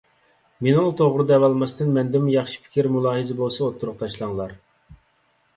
مېنىڭلا توغرا دەۋالماستىن، مەندىنمۇ ياخشى پىكىر، مۇلاھىزە بولسا ئوتتۇرىغا تاشلاڭلار.